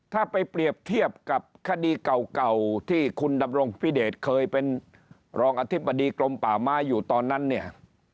ถ้าไปเปรียบเทียบกับคดีเก่าที่คุณดำรงพิเดชเคยเป็นรองอธิบดีกรมป่าไม้อยู่ตอนนั้นเนี่ย